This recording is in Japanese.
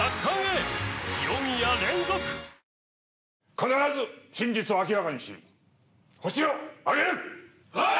必ず真実を明らかにしホシを挙げる。